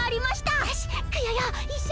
よし！